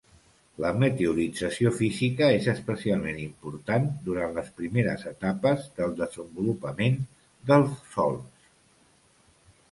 La meteorització física és especialment important durant les primeres etapes del desenvolupament dels sòls.